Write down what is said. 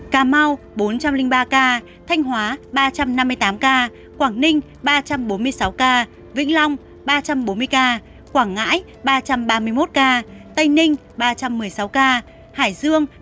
cà mau bốn trăm linh ba ca thanh hóa ba trăm năm mươi tám ca quảng ninh ba trăm bốn mươi sáu ca vĩnh long ba trăm bốn mươi ca quảng ngãi ba trăm ba mươi một ca tây ninh ba trăm một mươi sáu ca hải dương ba trăm một mươi sáu ca